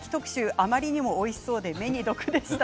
あまりにもおいしそうで目に毒でした。